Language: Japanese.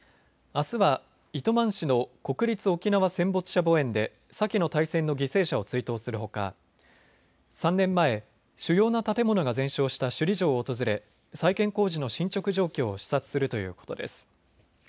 あすは糸満市の国立沖縄戦没者墓苑で先の大戦の犠牲者を追悼するほか３年前、主要な建物が全焼した首里城を訪れ再建工事の進捗状況を視察するということです。